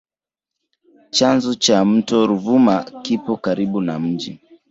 Chanzo cha mto Ruvuma kipo karibu na mji.